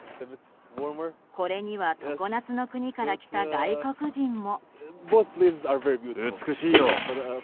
これには常夏の国から来た外国人も。